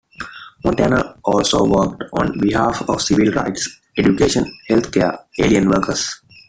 Montoya also worked on behalf of civil rights, education, health care, alien workers.